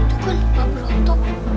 itu kan bapu rotok